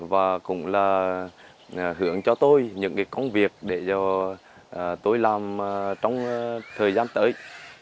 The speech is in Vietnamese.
và cũng là hướng cho tôi những công việc để cho tôi làm trong thời gian tới